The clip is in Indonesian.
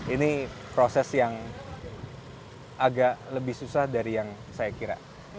ini proses yang agak lebih susah dari yang saya kira